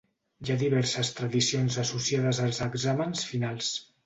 Hi ha diverses tradicions associades als exàmens finals.